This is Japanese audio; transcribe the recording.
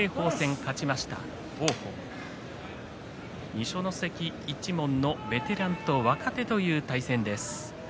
二所ノ関一門のベテランと若手という対戦です。